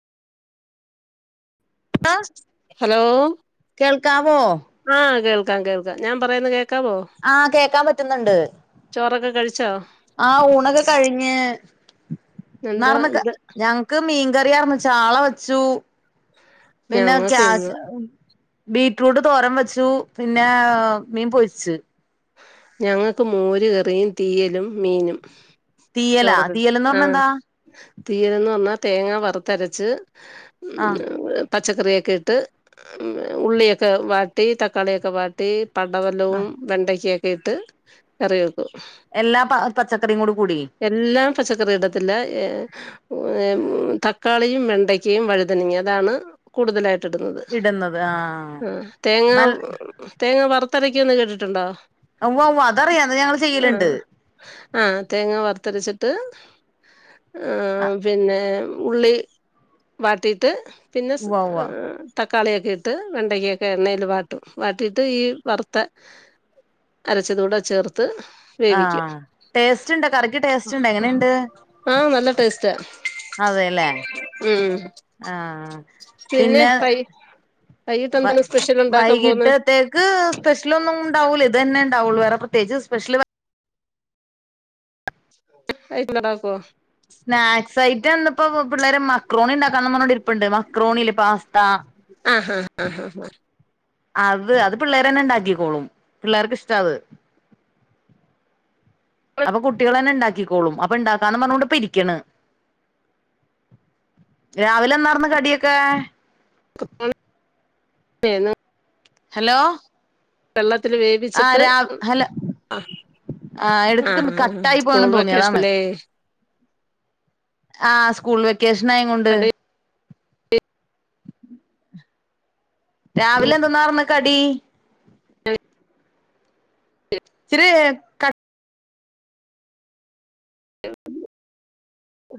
ആഹ് hello കേൾക്കാവോ ആഹ് കേൾ കാ കേൾക്ക ഞാൻ പറയുന്നത് കേ ആഹ് കേക്കാൻ പറ്റുന്നുണ്ട് ചോറൊക്കെ കഴിച്ചോ ആഹ് ഊണൊക്കെ കഴിഞ്ഞ് എന്താ നാടൻ മക്ക എന്ത് ഞങ്ങൾക്ക് മീൻ കറിയ മ്മച്ചാള വെച്ചു പിന്നെ ഞങ്ങക്ക് ക്യാ ഇന്ന് ബീറ്റ്റൂട്ട് തോരം വെച്ചു പിന്നെ മീൻ പൊയിച്ച് ഞങ്ങള്ക്ക് മോരു കറിയും തീയലും മീനും തീയലാ തീയലന്ന് പറഞ്ഞ എന്താ തീയലന്ന് പറഞ്ഞാൽ തേങ്ങ വറുത്തരച്ച് ആഹ് [unintelligible] പച്ചക്കറിയൊക്കെ ഇട്ട് ഉള്ളിയൊക്കെ വാട്ടി തക്കാളിയൊക്കെ വാട്ടി പടവലവും ആഹ് വെണ്ട ക്കെ ക്കെ ഇട്ട് കറിയ എല്ലാ പ പച്ചക്കറിയും കൂടി കൂടി എല്ലാം പച്ചക്കറി ഇടത്തില്ല ഏ തക്കാളിയും വെണ്ടക്കയും വഴുതനി അതാണ് കൂടുതലായി ത്തിടുന്നത് ഇടുന്നത് ആഹ് ആ തേങ്ങ നല്ല തേങ്ങ വറു ഇത്തരയ്ക്കൊ ഒന്ന് കേട്ടിട്ടുണ്ടോ ഉവ്വ ഉവ്വ അതറിയാ അത് ഞങ്ങള് ചെയ്യലുണ്ട് ആഹ് ആഹ് തേങ്ങ വറുത്തരിച്ചിട്ട് ആ ആഹ് പിന്നെ ഉള്ളി വാട്ടീട്ട് പിന്നെ സ് ഉവ്വ ഉവ്വ ആ ത ക്കാളിയൊക്കെ ഇട്ട് വെണ്ടക്കൊക്കെ എണ്ണൽ വാട്ടും വാട്ടിയിട്ട് ഈ വറുത്ത അരച്ചതൂടെ ചേർത്ത് വേവിക്കും ആഹ് ടേസ്റ്റ് ഉണ്ട് കറക്ക് ടേസ്റ്റ് ഉണ്ട് എങ്ങനെയുണ്ട് ആഹ് നല്ല ടേസ്റ്റാ അതെല്ലേ ഉം ആഹ് പിന്നെ വൈകിട്ട് വൈ എന്താണ് സ്പെഷ്യൽ ഉണ്ടാക്കാൻ പോകുന്നെ വൈകിട്ടത്തേക്ക് സ്പെഷ്യൽ ഒന്നും ഉണ്ടാവൂല ഇത് ന്നെ ഉണ്ടാവുള്ളൂ വേറെ പ്രത്യേകിച്ച് സ്പെഷ്യൽ വെ [unintelligible] സ്നാക്സ് ഐറ്റം ഇന്നിപ്പോ പിള്ളേര് മക്രോണി ഉണ്ടാക്കാന്ന് പറഞ്ഞോണ്ട് ഇരിപ്പുണ്ട് മക്രോണിയില്ലേ പാസ്ത ആഹ ആഹ ആ അത് അത് പിള്ളേർ തന്നെ ഉണ്ടാക്കിക്കോളും പിള്ളേർക്ക് ഇഷ്ട അത് അപ്പൊ കുട്ടികള് തന്നെ ഇണ്ടാക്കിക്കോളും അപ്പൊ ഇണ്ടാക്കാന്ന് പറഞ്ഞുകൊണ്ട് ഇരിക്കണ് രാവിലെ എന്താർന്ന് കടിയൊക്കെ? [unintelligible] ഹലോ പല്ല [unintelligible] ആ വേവിച്ചിട്ട് രാ ഹലോ ആ ആ ഇടക്കൊക്കെ കട്ടായി പോണെന്ന് സ്കൂൾ തോന്നി അതാണ് വെക്കേഷനല്ലേ ആ സ്കൂൾ വെ ക്കേഷനായ കൊണ്ട് രാവിലെ കടയിൽ എന്തോന്നാർന്നു കടി? ഇച്ചിരി ക